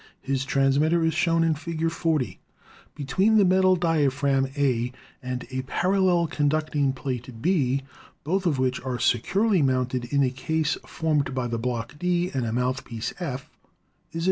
His transmitter is shown in Fig. 40. Between the metal diaphragm, A, and a parallel conduct ing plate, B, both of which are securely mounted in a case formed by the block, D, and a mouthpiece, F, is a Fig.